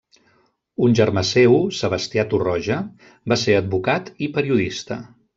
Un germà seu, Sebastià Torroja, va ser advocat i periodista.